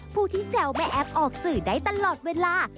ผู้ที่แซวแม่แอฟออกสื่อได้ตลอดเวลา